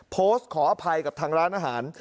ขออภัยกับทางร้านอาหาร